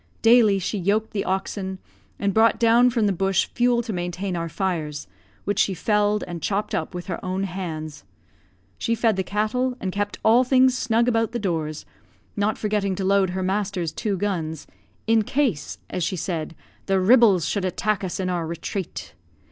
Daily she yoked the oxen, and brought down from the bush fuel to maintain our fires, which she felled and chopped up with her own hands. She fed the cattle, and kept all things snug about the doors; not forgetting to load her master's two guns, "in case," as she said, "the ribels should attack us in our retrate."